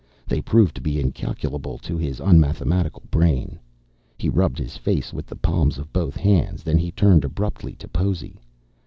They proved to be incalculable to his unmathematical brain. He rubbed his face with the palms of both hands. Then he turned abruptly to Possy.